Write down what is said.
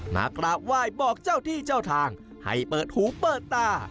มากราบไหว้บอกเจ้าที่เจ้าทางให้เปิดหูเปิดตา